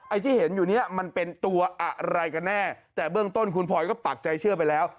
ที่เห็นอยู่เนี้ยมันเป็นตัวอะไรกันแน่แต่เบื้องต้นคุณพลอยก็ปักใจเชื่อไปแล้ว